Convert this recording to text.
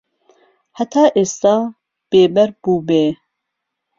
هەتا ئێستا بێبەر بووبێ